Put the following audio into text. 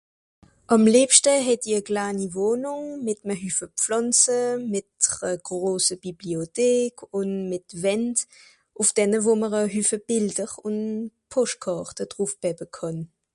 Àm lìebschte hätt i e kaani Wohnùng mìt'me Hüffe Plànze, mìt're grose Biblioték ùn mìt Wänd ùff denne wo mr e Hüffe Bìlder ùn Poschtkàrte drùfbèbbe kànn.